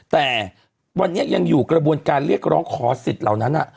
แต่วันนี้ยังอยู่กระบวนการเรียกร้องขอสิทธิ์เหล่านั้น